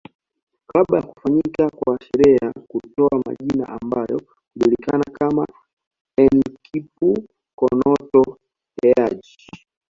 Kabla ya kufanyika kwa sherehe ya kutoa majina ambayo hujulikana kama Enkipukonoto Eaji